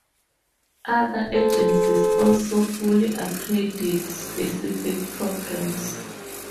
Other agencies also fully accredit specific programs.